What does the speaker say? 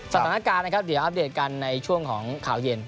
สถานการณ์อัพเดทกันในช่วงของข่าวเย็น